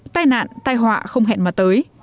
tai nạn tai họa không hẹn mà tới